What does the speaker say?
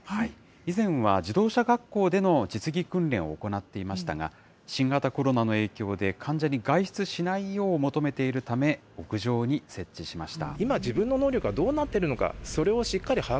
以前は自動車学校での実技訓練を行っていましたが、新型コロナの影響で患者に外出しないよう求めているため、屋上に設置しました。